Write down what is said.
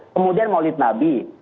kemudian maulid nabi